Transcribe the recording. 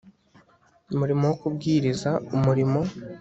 murimo wo kubwiriza Umurimo